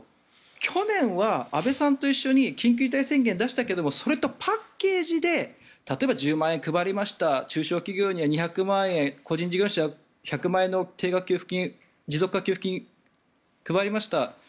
去年は安倍さんと一緒に緊急事態宣言を出したけどもそれとパッケージで例えば１０万円配りました中小企業には２００万円個人事業主には１００万円の定額給付金持続化給付金を配りました。